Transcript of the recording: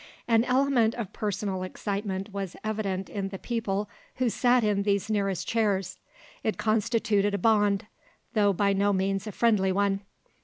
An element of personal excitement was evident in the people who sat in these nearest chairs; it constituted a bond, though by no means a friendly one.